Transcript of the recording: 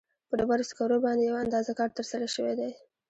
په ډبرو سکرو باندې یو اندازه کار ترسره شوی دی.